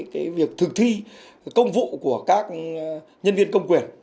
cái việc thực thi công vụ của các nhân viên công quyền